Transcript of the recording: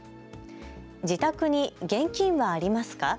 自宅に現金はありますか。